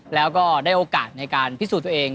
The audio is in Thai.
แล้วก็ได้โอกาสในการพิสูจน์ตัวเอง